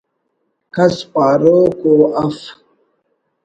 کس پاروک ءُ اف